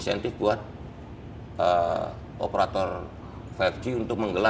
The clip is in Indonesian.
termasuk juga saya sedang meminta tim disini untuk mengkaitkan